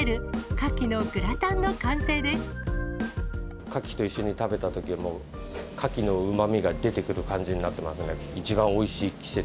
カキと一緒に食べたときも、カキのうまみが出てくる感じになってますね。